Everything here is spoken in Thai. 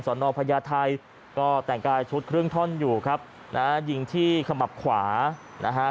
นอพญาไทยก็แต่งกายชุดครึ่งท่อนอยู่ครับนะฮะยิงที่ขมับขวานะฮะ